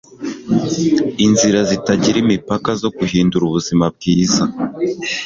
inzira zitagira imipaka zo guhindura ubuzima bwiza